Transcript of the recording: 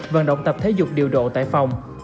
và động tập thể dục điều độ tại phòng